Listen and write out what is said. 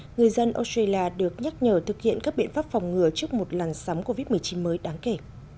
người dân australia được nhắc nhở thực hiện các biện pháp phòng ngừa trước một làn sóng covid một mươi chín mới đáng kể